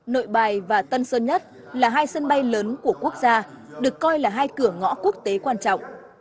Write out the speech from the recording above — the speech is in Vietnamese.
nội bài và tân sơn nhất là hai sân bay lớn của quốc gia được coi là hai cửa ngõ quốc tế quan trọng